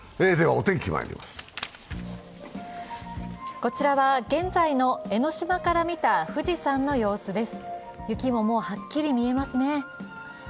こちらは現在の江の島から見た富士山の様子です。